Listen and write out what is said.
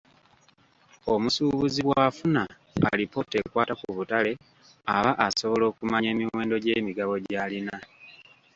Omusuubuzi bw'afuna alipoota ekwata ku butale aba asobola okumanya emiwendo gy'emigabo gy'alina.